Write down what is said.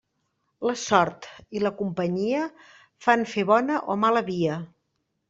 La sort i la companyia fan fer bona o mala via.